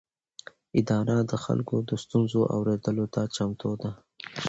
اداره د خلکو د ستونزو اورېدلو ته چمتو ده.